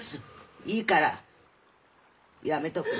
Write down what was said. いいからやめとくれ。